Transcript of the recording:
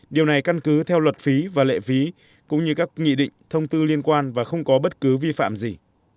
điều này căn cứ theo luật phí và lệ phí cũng như các nghị định thông tư liên quan và không có bất cứ vi phạm gì